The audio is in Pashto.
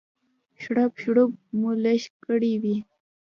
شړپ شړوپ مو لږ کړی وي.